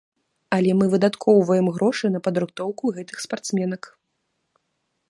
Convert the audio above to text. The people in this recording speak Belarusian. Але мы выдаткоўваем грошы на падрыхтоўку гэтых спартсменак.